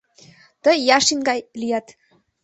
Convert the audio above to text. — Тый Яшин гай лият.